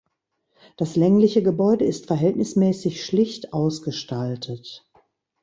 Das längliche Gebäude ist verhältnismäßig schlicht ausgestaltet.